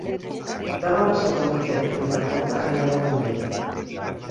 Demà passat en Miquel i na Carlota aniran al Vendrell.